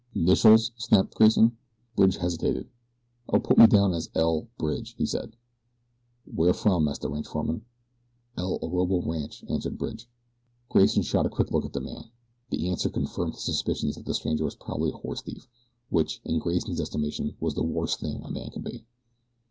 "'Nitials," snapped Grayson. Bridge hesitated. "Oh, put me down as L. Bridge," he said. "Where from?" asked the ranch foreman. "El Orobo Rancho," answered Bridge. Grayson shot a quick glance at the man. The answer confirmed his suspicions that the stranger was probably a horse thief, which, in Grayson's estimation, was the worst thing a man could be.